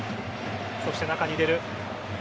そして中に入れる。